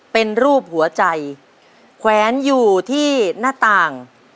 เป็นรูปหัวใจแขวนอยู่ที่หน้าต่าง